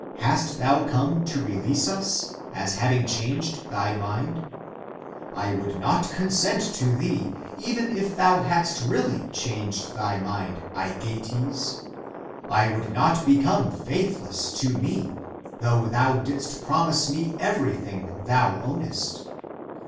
Hast thou come to release us, as having changed thy mind? I would not consent to thee even if thou hadst really changed thy mind, Aegeates. <I would not become faithless to me, though thou didst promise me everything thou ownest.